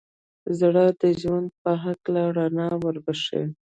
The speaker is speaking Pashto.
زړه د ژوند په هکله رڼا وربښي.